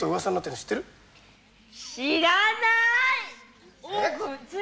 知らない！